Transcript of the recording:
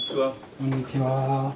こんにちは。